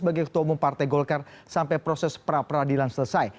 bagi ketua umum partai golkar sampai proses pra peradilan selesai